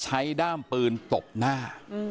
ด้ามปืนตบหน้า